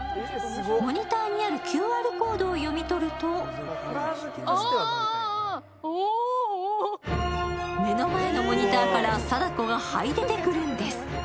モニターにあるＱＲコードを読み取ると目の前のモニターから貞子がはい出てくるんです。